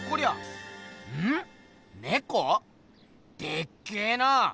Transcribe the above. でっけえな！